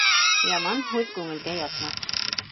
Яман һүҙ күңелгә ятмаҫ.